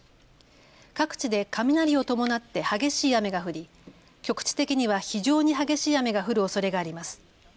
各地で雷を伴って激しい雨が降り局地的には非常に激しい雨が降るおそれがあります。